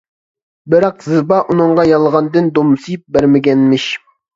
بىراق زىبا ئۇنىڭغا يالغاندىن دومسىيىپ بەرمىگەنمىش.